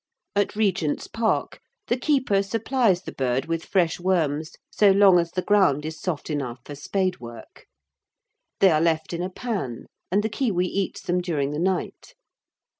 At Regent's Park the keeper supplies the bird with fresh worms so long as the ground is soft enough for spade work. They are left in a pan, and the kiwi eats them during the night.